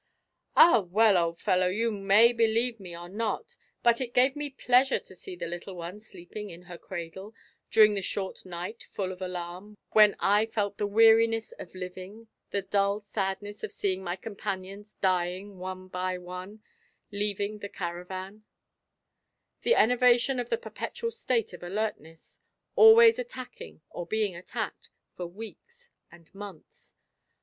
"Ah, well! old fellow, you may believe me or not; but it gave me pleasure to see the little one sleeping in her cradle, during the short night full of alarm, when I felt the weariness of living, the dull sadness of seeing my companions dying, one by one, leaving the caravan; the enervation of the perpetual state of alertness, always attacking or being attacked, for weeks and months.